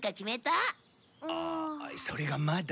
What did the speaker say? あっそれがまだ。